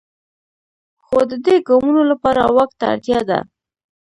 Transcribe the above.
خو د دې ګامونو لپاره واک ته اړتیا ده.